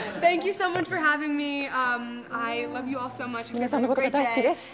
皆さんのことが大好きです。